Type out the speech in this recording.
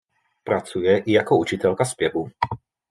Pracuje i jako učitelka zpěvu.